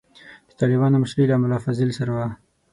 د طالبانو مشري له ملا فاضل سره وه.